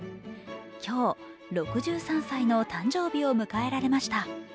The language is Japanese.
今日、６３歳の誕生日を迎えられました。